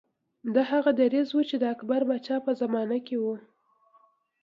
دا هغه دریځ و چې د اکبر پاچا په زمانه کې و.